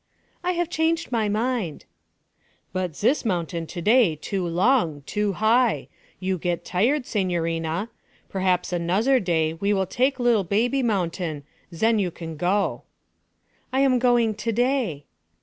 'I have changed my mind.' 'But zis mountain to day too long, too high. You get tired, signorina. Perhaps anozzer day we take li'l' baby mountain, zen you can go.' 'I am going to day.'